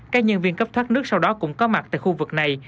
các nhân viên cấp thoát nước sau đó cũng có mặt tại khu vực này